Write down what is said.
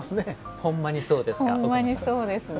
ほんまにそうですね。